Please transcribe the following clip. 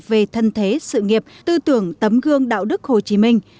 về thân thế sự nghiệp tư tưởng tấm gương đạo đức hồ chí minh